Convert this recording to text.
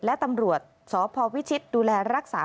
และตำรวจสพวิชิตดูแลรักษา